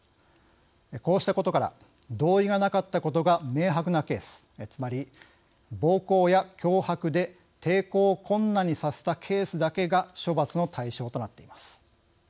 こうしたことから同意がなかったことが明白なケースつまり暴行や脅迫で抵抗を困難にさせたケースだけが処罰の対象となっています。